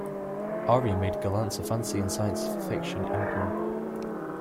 Orion made Gollancz a fantasy and science fiction imprint.